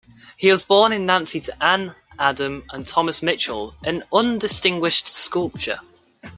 He was born in Nancy to Anne Adam and Thomas Michel, an undistinguished sculptor.